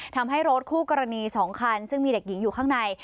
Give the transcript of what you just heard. ทำให้รถคู่กรณี๒คันซึ่งมีเด็กหญิงอยู่ข้างใน